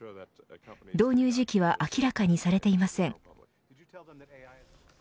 導入時期は明らかにされていません。